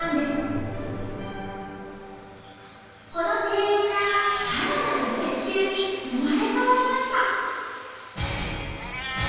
この庭園がさらなる絶景に生まれ変わりました。